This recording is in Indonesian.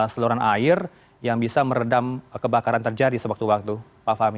seluruhan air yang bisa meredam kebakaran terjadi sewaktu waktu pak fahmi